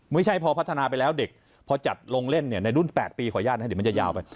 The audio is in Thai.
ไม่ใช่พอพัฒนาไปแล้วเด็กพอจัดลงเล่นเนี่ยในรุ่น๘ปีขออนุญาตนะครับเดี๋ยวมันจะยาวไป